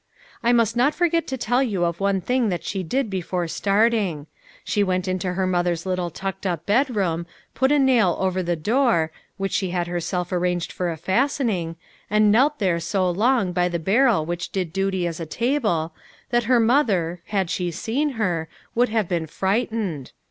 I must not forget to tell you of one thing that she did before starting. She went into her mother's little tucked up bedroom, put a nail over the door, which she had herself arranged for a fastening, and knelt there so long by the barrel which did duty as a table, that her mother, had she seen her, would have been frightened.